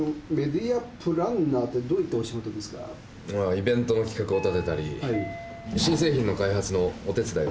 イベントの企画を立てたり新製品の開発のお手伝いをしたり。